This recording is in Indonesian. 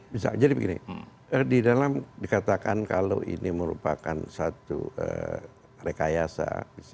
bisa jadi begini di dalam dikatakan kalau ini merupakan satu rekayasa